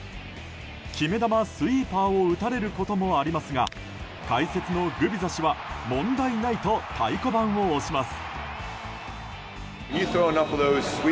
決め球、スイーパーを打たれることもありますが解説のグビザ氏は問題ないと太鼓判を押します。